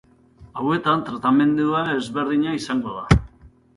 Hauetan tratamendua ezberdina izango da.